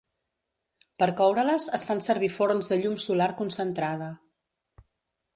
Per coure-les es fan servir forns de llum solar concentrada.